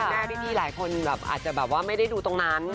แม่พี่หลายคนแบบอาจจะแบบว่าไม่ได้ดูตรงนั้น